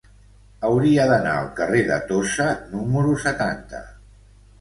Hauria d'anar al carrer de Tossa número setanta.